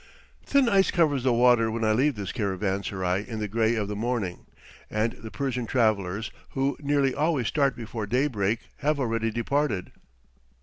Thin ice covers the water when I leave this caravanserai in the gray of the morning, and the Persian travellers, who nearly always start before daybreak, have already departed.